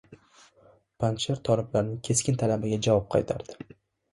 Panjsher toliblarning keskin talabiga javob qaytardi